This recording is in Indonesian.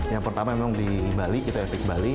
yang pertama memang di bali kita etik bali